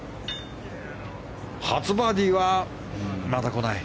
初バーディーはまだこない。